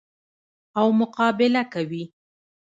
او مقابله کوي.